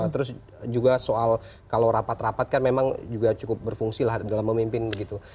terus juga soal kalau rapat rapat kan memang juga cukup berfungsi lah dalam memimpin begitu